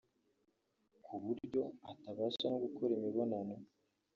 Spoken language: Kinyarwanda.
ku buryo atabasha no gukora imibonano